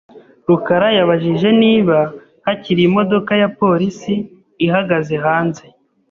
rukara yabajije niba hakiri imodoka ya polisi ihagaze hanze .